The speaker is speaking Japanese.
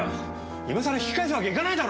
今さら引き返すわけいかないだろ！